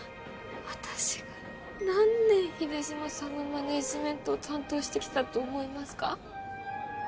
私が何年秀島さんのマネージメントを担当してきたと思いますか？